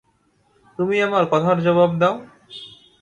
তুমি আমার কথার জবাব দাও।